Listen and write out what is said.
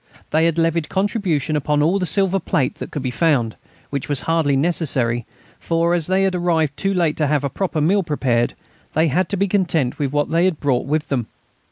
They had levied contribution upon all the silver plate that could be found, which was hardly necessary, for, as they had arrived too late to have a proper meal prepared, they had to be content with what they had brought with them.